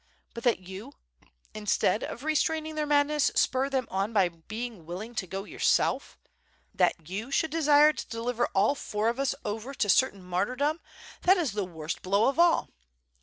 But that you, instead of re straining their madness, spur them on by being willing to go yourself; that you should desire to deliver all lour of us over to certain martyrdom; that is the worst blow of all.